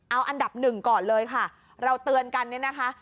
เอาอันดับ๑ก่อนเลยค่ะเราเตือนกันนะคะ